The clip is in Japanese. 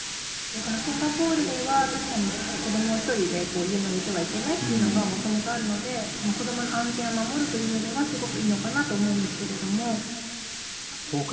シンガポールでは、確かに子どもを１人で家に置いてはいけないっていうのはもともとあるので、子どもの安全を守るという意味ではすごくいいのかなと思うんですほか